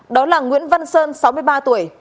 đó là nguyễn văn sơn sáu mươi ba tuổi